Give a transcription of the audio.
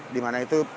di mana itu pengemar